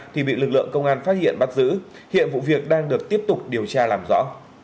thì bị lực lượng công an phát hiện bắt giữ hiện vụ việc đang được tiếp tục điều tra làm rõ